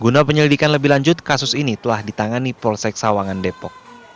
guna penyelidikan lebih lanjut kasus ini telah ditangani polsek sawangan depok